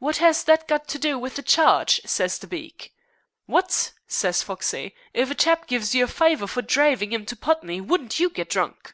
'What has that got to do with the charge?' says the beak. 'Wot?' says Foxey. 'If a chap give you a fiver for drivin' 'im to Putney wouldn't you get drunk?'